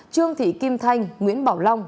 trương thị kim thanh nguyễn bảo long